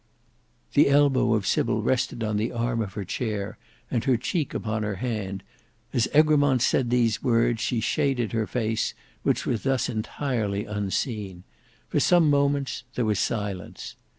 The elbow of Sybil rested on the arm of her chair, and her cheek upon her hand; as Egremont said these words she shaded her face, which was thus entirely unseen: for some moments there was silence.